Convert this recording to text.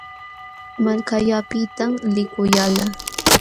Malkallaapitam likullalqaa.